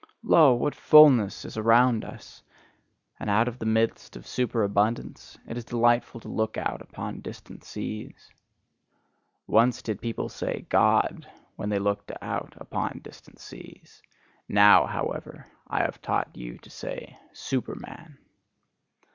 Lo, what fullness is around us! And out of the midst of superabundance, it is delightful to look out upon distant seas. Once did people say God, when they looked out upon distant seas; now, however, have I taught you to say, Superman.